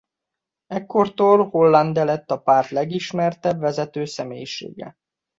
Ekkortól Hollande lett a párt legismertebb vezető személyisége.